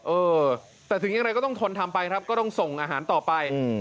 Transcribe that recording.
เออแต่ถึงอย่างไรก็ต้องทนทำไปครับก็ต้องส่งอาหารต่อไป